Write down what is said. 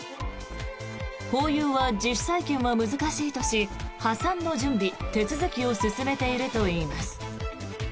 ホーユーは自主再建は難しいとし破産の準備・手続きを進めているといいます。